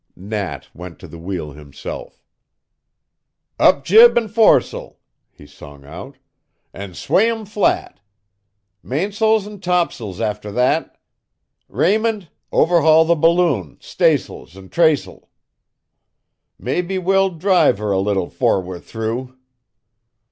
Nat went to the wheel himself. "Up jib an' fores'l," he sung out, "and sway 'em flat! Mains'l and tops'ls after that! Raymond, overhaul the balloon, stays'l, and trys'l! Mebbe we'll drive her a little afore we're through."